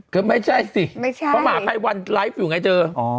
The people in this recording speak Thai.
ก็ไม่ใช่สิไม่ใช่พระมหาภัยวันไลฟ์อยู่ไงเธอ